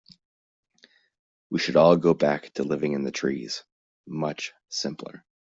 We should all go back to living in the trees, much simpler.